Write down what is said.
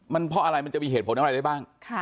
มันเพราะอะไรมันจะมีเหตุผลอะไรได้บ้าง